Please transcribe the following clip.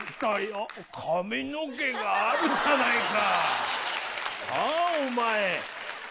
髪の毛があるじゃないか。